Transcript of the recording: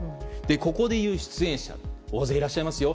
ここでいう出演者大勢いらっしゃいますよ。